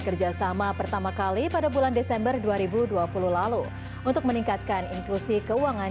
kerjasama pertama kali pada bulan desember dua ribu dua puluh lalu untuk meningkatkan inklusi keuangan